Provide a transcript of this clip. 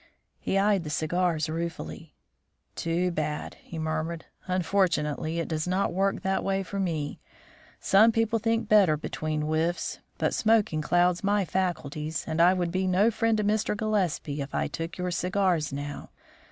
He eyed the cigars ruefully. "Too bad," he murmured; "unfortunately, it does not work that way with me. Some people think better between whiffs, but smoking clouds my faculties, and I would be no friend to Mr. Gillespie if I took your cigars now.